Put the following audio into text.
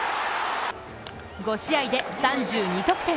５試合で３２得点。